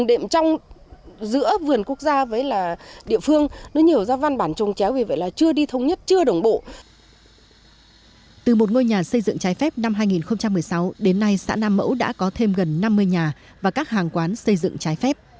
đến nay xã nam mẫu đã có thêm gần năm mươi nhà và các hàng quán xây dựng trái phép